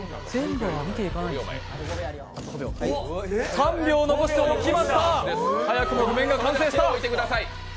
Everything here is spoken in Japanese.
３秒残しておきました、早くも図面が完成した。